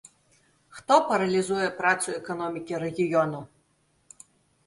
Хто паралізуе працу эканомікі рэгіёну.